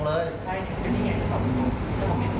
เฮ้ยถ้าท่านใจโกงไปเอาเงินของเขามา